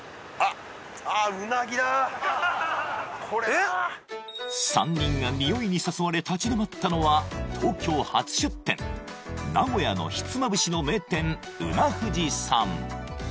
えっ３人がニオイに誘われ立ち止まったのは東京初出店名古屋のひつまぶしの名店うな富士さん